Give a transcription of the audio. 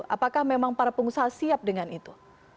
apakah memang para pengusaha siap dengan itu